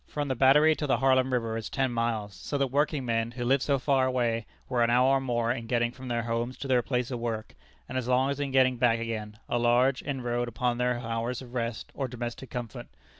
From the Battery to the Harlem river is ten miles, so that working men, who lived so far away, were an hour or more in getting from their homes to their place of work, and as long in getting back again, a large inroad upon their hours of rest or domestic comfort.